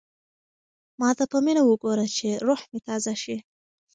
ما ته په مینه وګوره چې روح مې تازه شي.